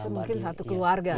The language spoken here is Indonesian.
bisa mungkin satu keluarga gitu ya